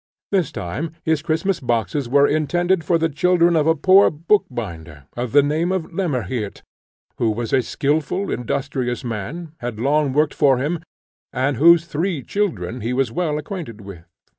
This time his Christmas boxes were intended for the children of a poor bookbinder, of the name of Lemmerhirt, who was a skilful, industrious man, had long worked for him, and whose three children he was well acquainted with.